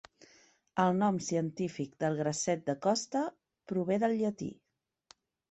El nom científic del grasset de costa prové del llatí.